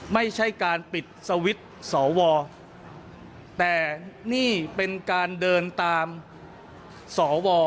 ไม่ใช่การปิดสวิตช์สอวอแต่นี่เป็นการเดินตามสว